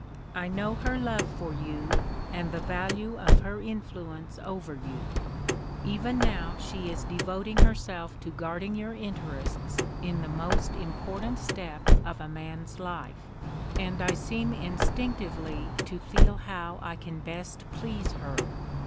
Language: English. I know her love for you, and the value of her influence over you. Even now she is devoting herself to guarding your interests in the most important step of a man's life, and I seem instinctively to feel how I can best please her.